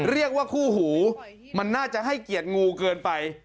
เรียกว่าคู่หูมันน่าจะให้เกียรติงูเกินไป